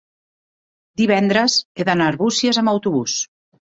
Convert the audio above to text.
divendres he d'anar a Arbúcies amb autobús.